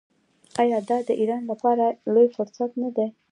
آیا دا د ایران لپاره لوی فرصت نه دی؟